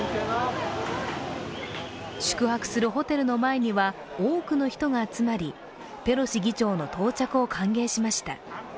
宿泊するホテルの前には多くの人が集まりペロシ議長の到着を歓迎しました。